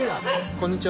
こんにちは。